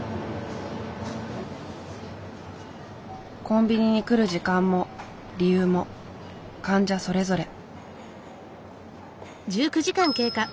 コンビニに来る時間も理由も患者それぞれ。